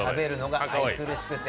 愛くるしくて。